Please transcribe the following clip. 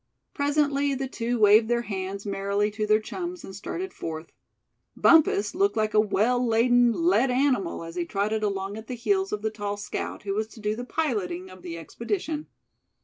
Presently the two waved their hands merrily to their chums, and started forth. Bumpus looked like a well laden, led animal as he trotted along at the heels of the tall scout, who was to do the piloting of the expedition.